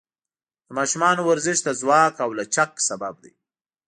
د ماشومانو ورزش د ځواک او لچک سبب دی.